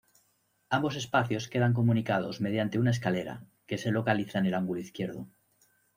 Ambos espacios quedan comunicados mediante una escalera que se localiza en el ángulo izquierdo.